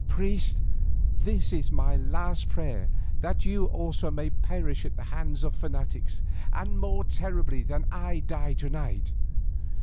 "Priest, this is my last prayer, that you also may perish at the hands of fanatics, and more terribly than I die to night."